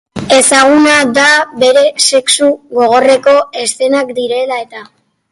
Ezaguna da bere sexu gogorreko eszenak direla eta.